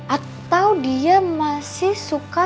atau dia masih suka